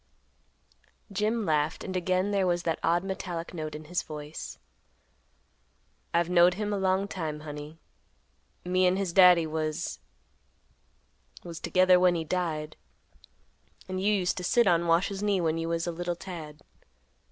Jim laughed and again there was that odd metallic note in his voice; "I've knowed him a long time, honey. Me and his daddy was—was together when he died; and you used to sit on Wash's knee when you was a little tad.